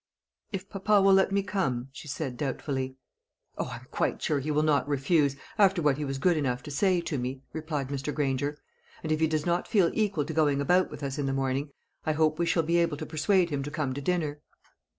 "If papa will let me come," she said doubtfully. "O, I'm quite sure he will not refuse, after what he was good enough to say to me," replied Mr. Granger; "and if he does not feel equal to going about with us in the morning, I hope we shall be able to persuade him to come to dinner."